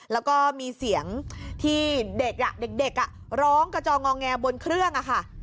แล้วก็มีเสียงที่เด็กเด็กร้องกระจองงอแงบนเครื่องอะค่ะ